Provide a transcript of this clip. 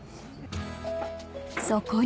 ［そこに］